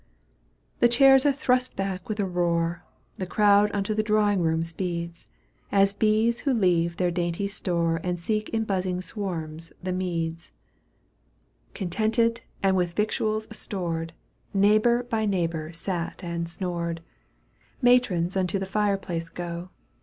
The chairs are thrust back with a roar. The crowd unto the drawing room speeds. As bees who leave their dainty store And seek in buzzing swarms the meads. Digitized by CjOOQ 1С 148 EUGENE ON^GUINE. canto v. Contented and with victuals stored, Neighbour by neighbour sat and snored, . Matrons unto the fireplace go.